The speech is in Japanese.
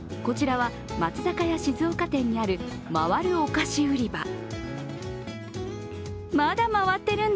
こちらは松坂屋静岡店にある回るお菓子売り場。